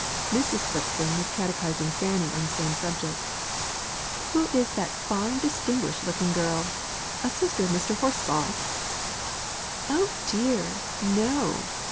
Mrs. Slickson was catechising Fanny on the same subject. "Who is that fine distinguished looking girl? a sister of Mr. Horsfall's?" "Oh dear, no!